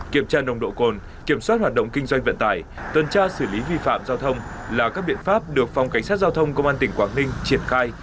kiểm tra nồng độ cồn kiểm soát hoạt động kinh doanh vận tải tuần tra xử lý vi phạm giao thông là các biện pháp được phòng cảnh sát giao thông công an tỉnh quảng ninh triển khai